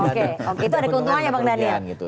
itu ada keuntungannya pak ngania